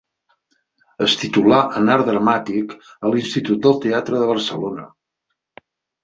Es titulà en Art Dramàtic a l'Institut del Teatre de Barcelona.